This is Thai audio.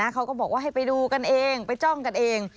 เขาก็บอกว่าให้ไปดูกันเองไปจ้องกันเอง